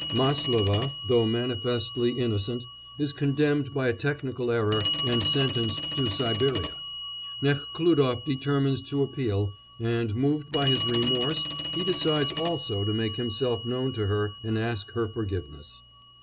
Máslova, though manifestly innocent, is condemned by a technical error and sentenced to Siberia. Nekhlúdof determines to appeal, and, moved by his remorse, he decides also to make himself known to her and ask her forgiveness.